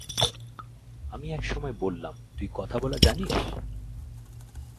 আমি এক সময় বললাম, তুই কথা বলা জানিস?